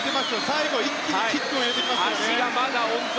最後、一気にキックを入れてますからね。